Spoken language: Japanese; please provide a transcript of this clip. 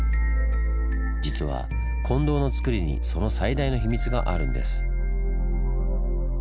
実は金堂のつくりにその最大のヒミツがあるんです。